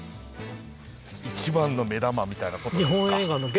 一番の目玉みたいなことですか？